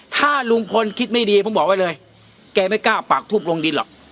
ถ้าลุงพลคิดไม่ดีผมบอกไว้เลยแกไม่กล้าปากทูบลงดินหรอก